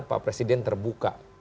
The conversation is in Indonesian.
pak presiden terbuka